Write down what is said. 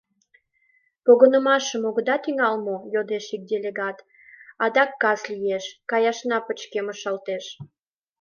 — Погынымашым огыда тӱҥал мо? — йодеш ик делегат, — адак кас лиеш, каяшна пычкемышалтеш.